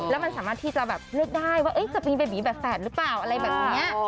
แล้วมันสามารถที่จะแบบเลือกได้ว่าจะปีนเบบีแบบแฝดหรือเปล่าอะไรแบบนี้